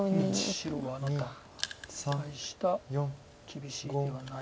白は何か大した厳しい手はない。